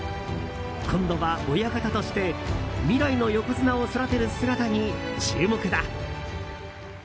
今度は、親方として未来の横綱を育てる姿に注目だ。